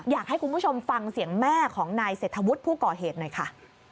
อยากให้คุณผู้ชมฟังเสียงแม่ของนายเศรษฐวุฒิผู้ก่อเหตุหน่อยค่ะ